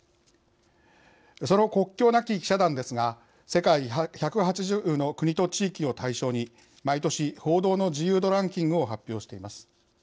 その国境なき記者団ですが世界１８０の国と地域を対象に毎年、報道の自由度ランキングを発表しています。